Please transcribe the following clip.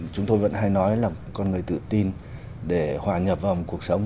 chúng tôi vẫn hay nói là con người tự tin để hòa nhập vào cuộc sống